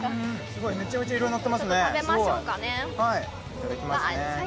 めちゃめちゃいろいろのってますね。